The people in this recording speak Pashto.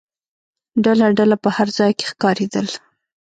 ډله ډله په هر ځای کې ښکارېدل.